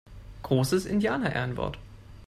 Großes Indianerehrenwort!